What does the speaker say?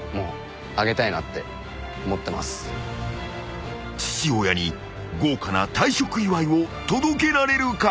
［父親に豪華な退職祝いを届けられるか？］